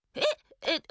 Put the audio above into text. えっ！